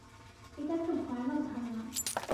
এটা একটা ভয়ানক ধারণা।